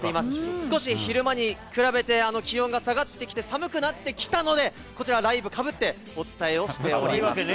少し昼間に比べて、気温が下がってきて、寒くなってきたので、こちら、ライーブかぶって、お伝えをしております。